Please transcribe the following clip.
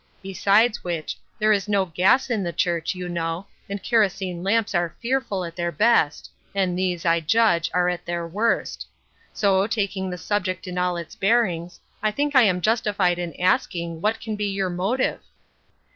Besides which, there is no gas in the church, you know, and kerosene lamps are fearful at their best, and these, I judge, are at their worst. So, taking the subject in all its bearings, I think I am justified in ask ing what can be your motive